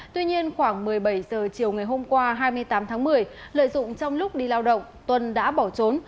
tuy nhiên khoảng một mươi bảy h chiều ngày hôm qua hai mươi tám tháng một mươi lợi dụng trong lúc đi lao động tuân đã bỏ trốn